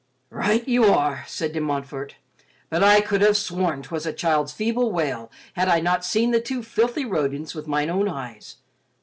"Right you are," said De Montfort, "but I could have sworn 'twas a child's feeble wail had I not seen the two filthy rodents with mine own eyes.